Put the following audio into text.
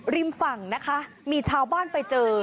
ริมฝั่งนะคะมีชาวบ้านไปเจอ